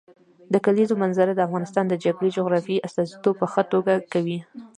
د کلیزو منظره د افغانستان د ځانګړي جغرافیې استازیتوب په ښه توګه کوي.